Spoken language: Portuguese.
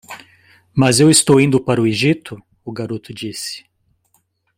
"Mas eu estou indo para o Egito?" o garoto disse.